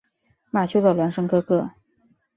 马修的孪生哥哥。